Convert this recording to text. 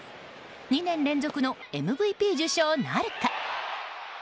２年連続のＭＶＰ受賞なるか。